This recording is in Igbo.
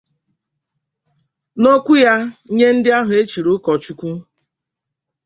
N'okwu ya nye ndị ahụ e chiri ụkọchukwu